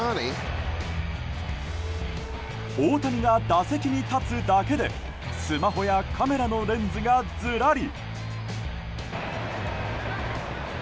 大谷が打席に立つだけでスマホやカメラのレンズがずらり。